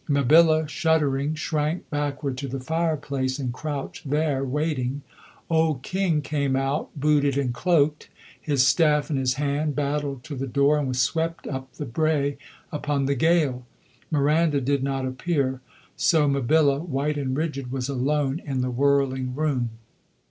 Mabilla shuddering shrank backward to the fireplace and crouched there, waiting. Old King came out booted and cloaked, his staff in his hand, battled to the door and was swept up the brae upon the gale. Miranda did not appear; so Mabilla, white and rigid, was alone in the whirling room.